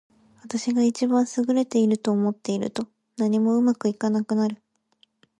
私が一番優れていると思っていると、何もうまくいかなくなる。